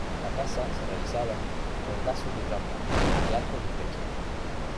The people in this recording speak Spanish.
La caza se realizaba con lazos y trampas, y arcos y flechas.